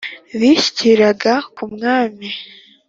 bishyikiraga ku mwami.